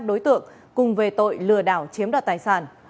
ba đối tượng cùng về tội lừa đảo chiếm đoạt tài sản